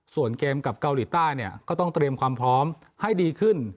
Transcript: ส่วนเกมกับเกาหลีใต้เนี่ยก็ต้องเตรียมความพร้อมให้ดีขึ้น